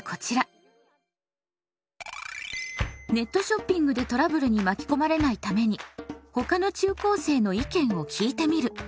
「ネットショッピングでトラブルに巻き込まれないために他の中高生の意見を聞いてみる」です。